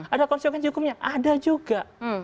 ada konstitusi hukumnya ada juga